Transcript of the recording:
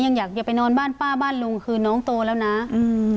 อยากอย่าไปนอนบ้านป้าบ้านลุงคือน้องโตแล้วนะอืม